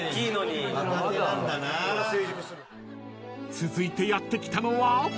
［続いてやって来たのは］